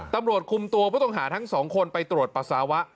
ตำรวจคุมตัวผู้ต้องหาทั้งสองคนไปตรวจปัสสาวะ